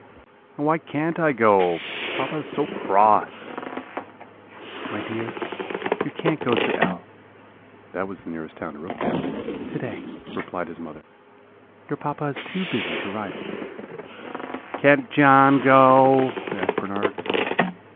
And why can't I go? Papa is so cross.' "'My dear, you can't go to L (that was the nearest town to Rookdale) to day,' replied his mother; 'your papa is too busy to ride with you.' "'Can't John go?' asked Bernard.